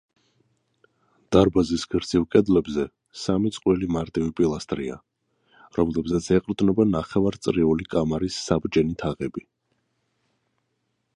დარბაზის გრძივ კედლებზე სამი წყვილი მარტივი პილასტრია, რომლებზეც ეყრდნობა ნახევარწრიული კამარის საბჯენი თაღები.